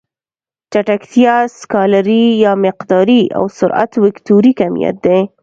چټکتیا سکالري يا مقداري او سرعت وکتوري کميت دی.